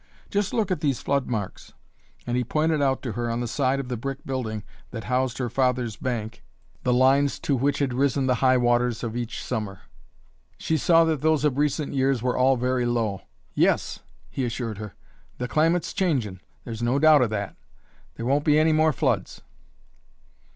Just look at these flood marks," and he pointed out to her on the side of the brick building that housed her father's bank the lines to which had risen the high waters of each Summer. She saw that those of recent years were all very low. "Yes," he assured her, "the climate's changin', there's no doubt of that. There won't be any more floods."